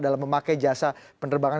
dalam memakai jasa penerbangan